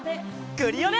クリオネ！